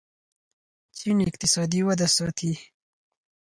چین اقتصادي وده ساتي.